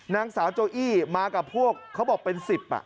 นักศาสตร์โจอี้มากับพวกเขาบอกเป็น๑๐อ่ะ